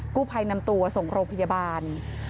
กู้ภัยนำตัวส่งโรงพยาบาล